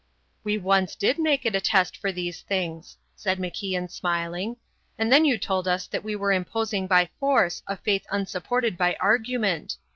"We once did make it a test for these things," said MacIan smiling, "and then you told us that we were imposing by force a faith unsupported by argument.